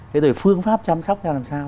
thế rồi phương pháp chăm sóc theo làm sao